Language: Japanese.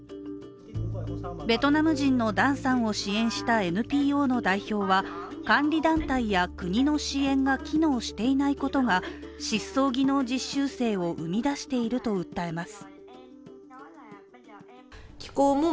ベトナム人のダンさんを支援したＮＰＯの代表は監理団体や国の支援が機能していないことが失踪技能実習生を生み出していると訴えます。